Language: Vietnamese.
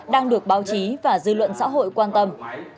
đang được báo chí và dư luận xã hội quan tâm